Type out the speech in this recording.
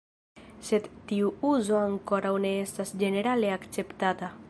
Sed tiu uzo ankoraŭ ne estas ĝenerale akceptata.